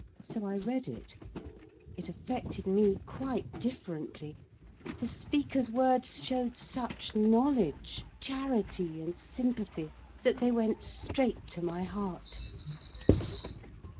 So I read it. It affected me quite differently. The speaker's words showed such knowledge, charity, and sympathy that they went straight to my heart.